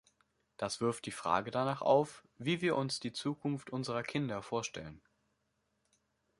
Das wirft die Frage danach auf, wie wir uns die Zukunft unserer Kinder vorstellen.